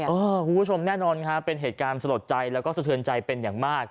คุณผู้ชมแน่นอนครับเป็นเหตุการณ์สลดใจแล้วก็สะเทือนใจเป็นอย่างมาก